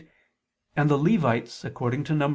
29], and the Levites, according to Num.